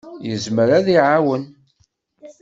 Yezmer ad d-iɛawen.